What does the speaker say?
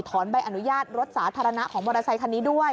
ใบอนุญาตรถสาธารณะของมอเตอร์ไซคันนี้ด้วย